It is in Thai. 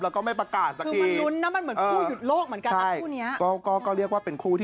แล้วก็ไม่ประกาศในคือจุดที่มีกองเชียร์เลย